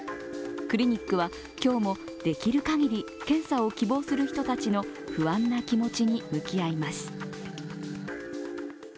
クリニックは今日もできるかぎり検査を希望する人たちの不安な気持ちに向き合います。